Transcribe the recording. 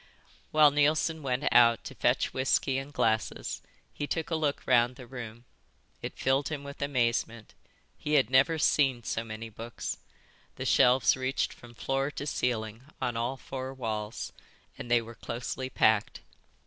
While Neilson went out to fetch whisky and glasses he took a look round the room. It filled him with amazement. He had never seen so many books. The shelves reached from floor to ceiling on all four walls, and they were closely packed.